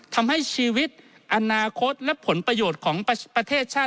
ทำให้ชีวิตอนาคตและผลประโยชน์ของประเทศชาติ